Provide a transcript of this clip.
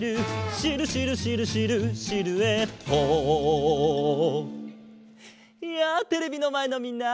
「シルシルシルシルシルエット」やあテレビのまえのみんな！